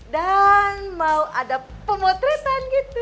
dan mau ada pemotretan gitu